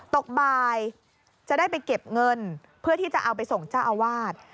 ตกบ่ายจะได้ไปเก็บเงินเพื่อที่จะเอาไปส่งเจ้าอาวาส